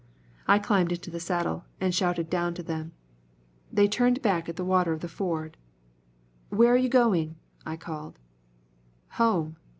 I climbed into the saddle and shouted down to them. They turned back at the water of the ford. "Where are you going?" I called. "Home.